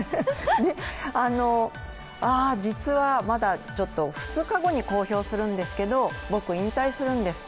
あ、実はまだ２日後に公表するんですけど、僕、引退するんですと。